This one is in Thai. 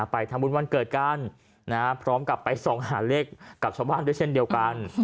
ไปทำบุญวันเกิดกันพร้อมกับไปส่องหาเลขกับชาวบ้านด้วยเช่นเดียวกัน